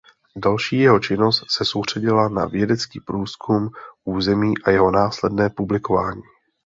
Další jeho činnost se soustředila na vědecký průzkum území a jeho následné publikování.